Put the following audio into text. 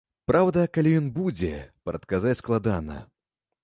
Праўда, калі ён будзе, прадказаць складана.